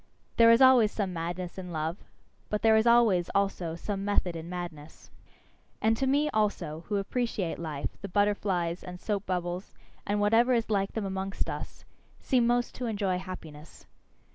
There is always some madness in love. But there is always, also, some method in madness. And to me also, who appreciate life, the butterflies, and soap bubbles, and whatever is like them amongst us, seem most to enjoy happiness.